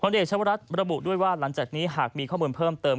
เอกชาวรัฐมระบุด้วยว่าหลังจากนี้หากมีข้อมูลเพิ่มเติม